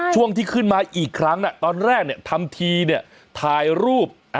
ช่วงที่ขึ้นมาอีกครั้งตอนแรกทำทีเนี่ยถ่ายรูป